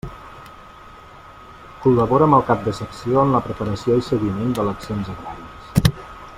Col·labora amb el cap de secció en la preparació i seguiment d'eleccions agràries.